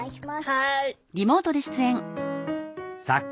はい。